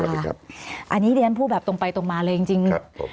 อันนี้เรียนพูดแบบตรงไปตรงมาเลยจริง